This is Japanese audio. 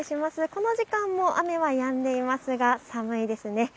この時間、雨はやんでいますが寒いですね。